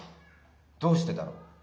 どうしてだろう？